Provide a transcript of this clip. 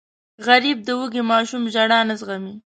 غریب د وږې ماشوم ژړا نه زغمي